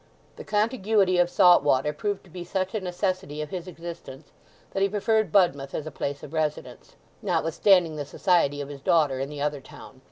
The contiguity of salt water proved to be such a necessity of his existence that he preferred Budmouth as a place of residence, notwithstanding the society of his daughter in the other town.